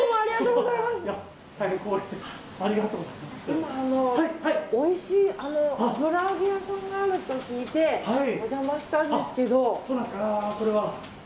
今、おいしい油揚げ屋さんがあると聞いてお邪魔したんですけど。